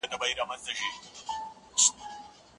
ایا ستا ورور په کابل کې اوسیږي؟